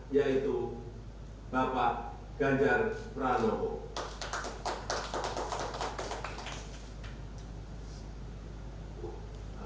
yaitu bapak ganjar pranowo